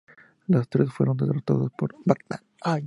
Los tres fueron derrotados por Batman.